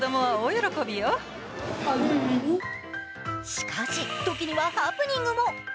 しかしときにはハプニングも。